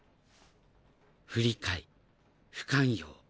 不理解不寛容。